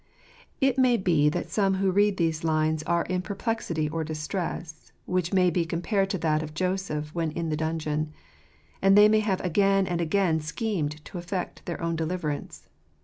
It may be that some who read these lines are in per plexity or distress which may be compared to that of Joseph when in the dungeon. And they have again and again schemed to effect their own deliverance.